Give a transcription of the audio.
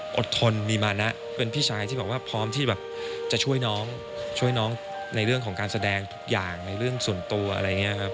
ทนมีมานะเป็นพี่ชายที่แบบว่าพร้อมที่แบบจะช่วยน้องช่วยน้องในเรื่องของการแสดงทุกอย่างในเรื่องส่วนตัวอะไรอย่างนี้ครับ